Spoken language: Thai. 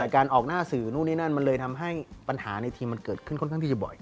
การออกหน้าสื่อนู่นนี่นั่นมันเลยทำให้ปัญหาในทีมมันเกิดขึ้นค่อนข้างที่จะบ่อย